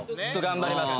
頑張ります。